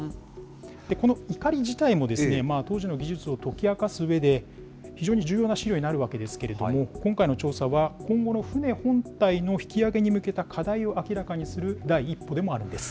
このいかり自体も、当時の技術を解き明かすうえで、非常に重要な資料になるわけですけれども、今回の調査は、今後の船本体の引き揚げに向けた課題を明らかにする第一歩でもあるんです。